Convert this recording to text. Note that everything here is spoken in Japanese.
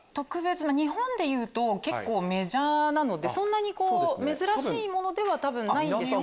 日本でいうと結構メジャーなのでそんなに珍しいものでは多分ないんですけど。